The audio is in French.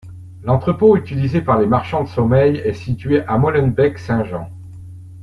L'entrepôt utilisé par les marchands de sommeil est situé à Molenbeek-Saint-Jean.